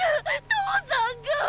父さんがぁ。